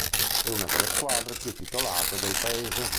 È una delle squadre più titolate del paese.